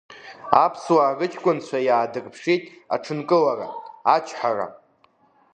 Аԥсуаа рыҷкәынцәа иаадырԥшит аҽынкылара, ачҳара.